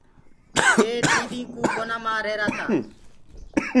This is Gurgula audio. وي تيڏينٚ ڪو ڪونآ مر رهيرآ تآ۔